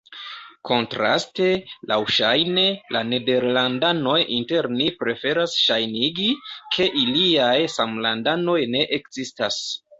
Kontraste, laŭŝajne, la nederlandanoj inter ni preferas ŝajnigi, ke iliaj samlandanoj ne ekzistas.